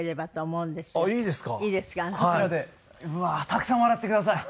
たくさん笑ってください。